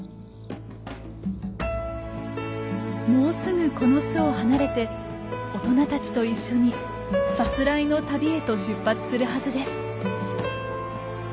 もうすぐこの巣を離れて大人たちと一緒にさすらいの旅へと出発するはずです。